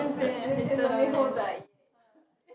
飲み放題。